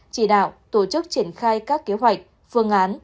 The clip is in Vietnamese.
chỉ đạo tổ chức triển khai các kế hoạch phương án